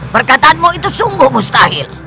perkataanmu itu sungguh mustahil